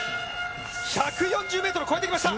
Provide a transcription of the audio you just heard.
１４０ｍ越えてきました！